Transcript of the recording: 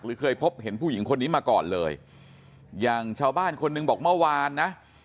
เคยพบเห็นผู้หญิงคนนี้มาก่อนเลยอย่างชาวบ้านคนหนึ่งบอกเมื่อวานนะ